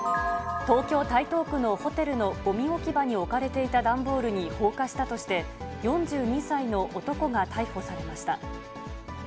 東京・台東区のホテルのごみ置き場に置かれていた段ボールに放火したとして、４２歳の男が逮捕されました。